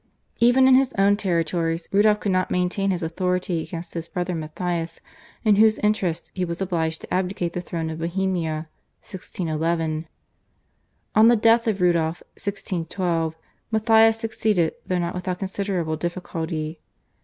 Even in his own territories Rudolph could not maintain his authority against his brother Matthias, in whose interest he was obliged to abdicate the throne of Bohemia (1611). On the death of Rudolph (1612) Matthias succeeded though not without considerable difficulty.